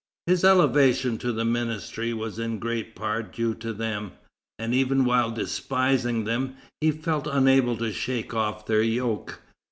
His elevation to the ministry was in great part due to them, and even while despising them, he felt unable to shake off their yoke.